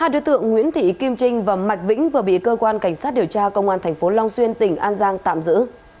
hai đối tượng nguyễn thị kim trinh và mạch vĩnh vừa bị cơ quan cảnh sát điều tra công an tp long xuyên tỉnh an giang tạm giữ